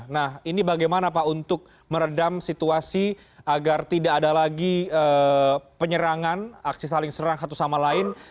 nah ini bagaimana pak untuk meredam situasi agar tidak ada lagi penyerangan aksi saling serang satu sama lain